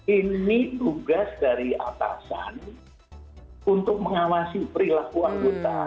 ini tugas dari atasan untuk mengawasi perilaku anggota